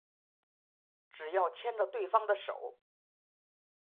只要牵着对方的手